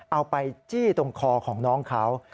ไปจี้ตรงคอของน้องเขา